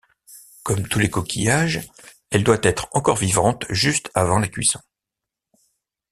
Comme tous les coquillages, elle doit être encore vivante juste avant la cuisson.